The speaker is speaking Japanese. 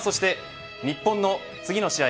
日本の次の試合